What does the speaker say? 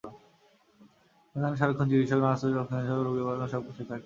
সেখানে সারাক্ষণ চিকিৎসক, নার্স, ওষুধ, অক্সিজেনসহ রোগীকে বাঁচানোর দরকারি সবকিছুই থাকে।